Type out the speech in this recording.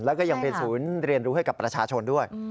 แล้วก็ยังเป็นศูนย์เรียนรู้ให้กับประชาชนด้วย